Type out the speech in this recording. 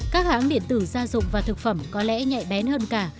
các hãng điện tử gia dụng và thực phẩm có lẽ nhạy bén hơn cả